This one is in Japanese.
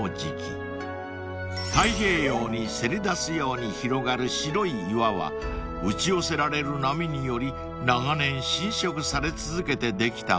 ［太平洋にせり出すように広がる白い岩は打ち寄せられる波により長年浸食され続けてできたもの］